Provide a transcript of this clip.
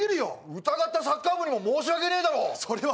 疑ったサッカー部にも申し訳ねえだろう。